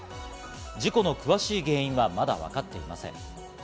事故の詳しい原因はまだ分かっていません。